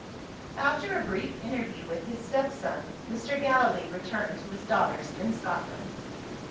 After a brief interview with his step son, Mr. Gallilee returned to his daughters in Scotland.